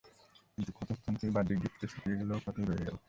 কিন্তু ক্ষতস্থানটি বাহ্যিক দৃষ্টিতে শুকিয়ে গেলেও ক্ষতই রয়ে গেল।